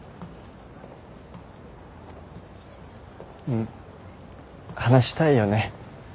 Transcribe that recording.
うん話したいよね。